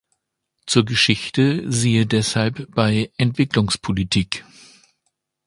Zur Geschichte siehe deshalb bei Entwicklungspolitik.